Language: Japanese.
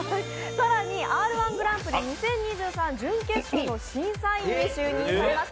更に「Ｒ−１グランプリ２０２３」審査員に選ばれました